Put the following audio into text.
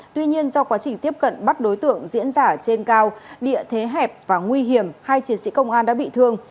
tuy nhiên do quá trình tiếp cận bắt đối tượng diễn giả trên cao địa thế hẹp và nguy hiểm hai chiến sĩ công an đã bị thương